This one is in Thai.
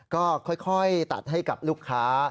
ก็ค่อยตัดให้กับลูกค้า